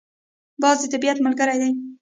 باز د طبیعت ملګری دی